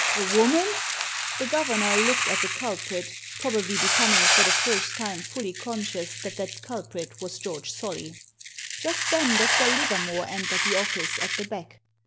"A woman?" The governor looked at the culprit — probably be coming for the first time fully conscious that that culprit was George Solly. Just then Dr. Livermore entered the office at the back.